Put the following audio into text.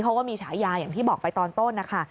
เขาก็มีฉายาอย่างที่บอกไปตอนต้นนะคะ